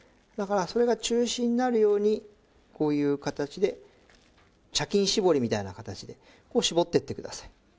だからそれが中心になるようにこういう形で茶巾絞りみたいな形でこう絞ってってください。